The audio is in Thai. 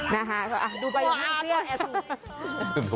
นะฮะดูไปอย่างงี้เพียง